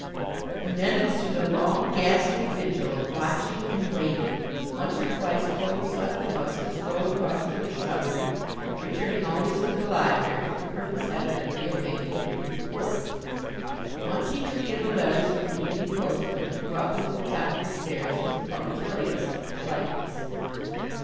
And then ensued a long ghastly vigil of watching and waiting. Once or twice Clovis left the house to stroll across to the shrubbery, returning always to the library, for the purpose evidently of making a brief report. Once he took in the letters from the evening postman, and brought them to the top of the stairs with punctilious politeness.